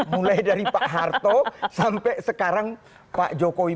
mulai dari pak harto sampai sekarang pak jokowi